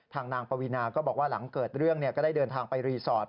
นางปวีนาก็บอกว่าหลังเกิดเรื่องก็ได้เดินทางไปรีสอร์ท